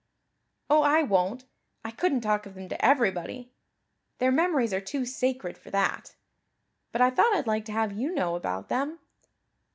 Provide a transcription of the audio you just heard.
"Oh, I won't. I couldn't talk of them to everybody their memories are too sacred for that. But I thought I'd like to have you know about them.